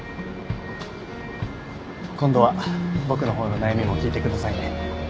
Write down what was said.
今度は僕の方の悩みも聞いてくださいね。